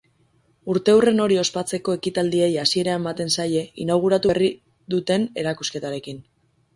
Urteurren hori ospatzeko ekitaldiei hasiera ematen zaie inauguratu berri nduten erakusketarekin.